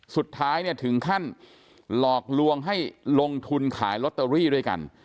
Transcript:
สุดท้ายเนี่ยถึงขั้นหลอกลวงให้ลงทุนขายลอตเตอรี่ด้วยกัน